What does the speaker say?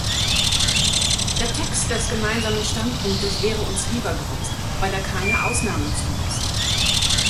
Der Text des Gemeinsamen Standpunktes wäre uns lieber gewesen, weil er keine Ausnahmen zulässt.